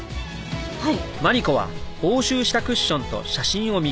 はい。